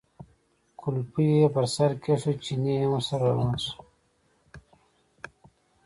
کولپۍ یې پر سر کېښوده، چيني هم ورسره روان شو.